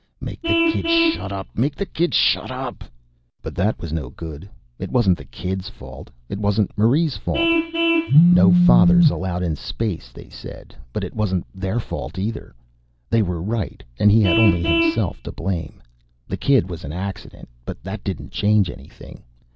Make the kid shut up, make the kid shut up ... But that was no good. It wasn't the kid's fault. It wasn't Marie's fault. No fathers allowed in space, they said, but it wasn't their fault either. They were right, and he had only himself to blame. The kid was an accident, but that didn't change anything.